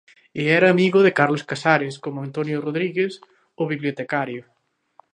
E era amigo de Carlos Casares, coma Antonio Rodríguez, o bibliotecario.